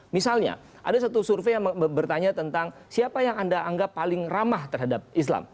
misalnya ada satu survei yang bertanya tentang siapa yang anda anggap paling ramah terhadap islam